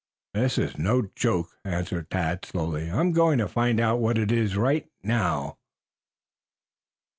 "This is no joke," answered Tad slowly. "I'm going to find out what it is right now."